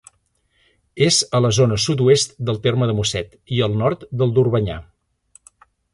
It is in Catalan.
És a la zona sud-oest del terme de Mosset i al nord del d'Orbanyà.